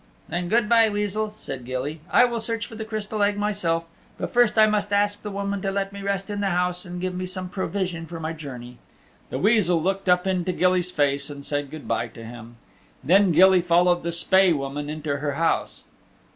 "Then good by, Weasel," said Gilly. "I will search for the Crystal Egg myself. But first I must ask the woman to let me rest in the house and to give me some provision for my journey." The Weasel looked up into Gilly's face and said good by to him. Then Gilly followed the Spae Woman into her house.